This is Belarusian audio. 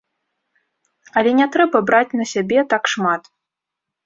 Але не трэба браць на сябе так шмат.